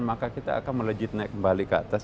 maka kita akan melejit naik kembali ke atas